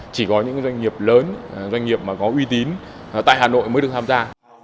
chỉ có những doanh nghiệp lớn doanh nghiệp mà có uy tín tại hà nội mới được tham gia